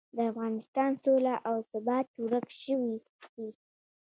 د افغانستان سوله او ثبات ورک شوي دي.